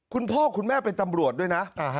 คุณพ่อคุณแม่เป็นตำรวจด้วยนะ